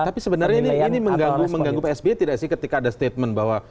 tapi sebenarnya ini mengganggu pak sby tidak sih ketika ada statement bahwa